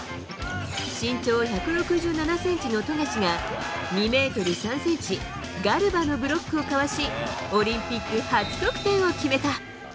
身長１６７ｃｍの富樫が２ｍ３ｃｍガルバのブロックをかわしオリンピック初得点を決めた。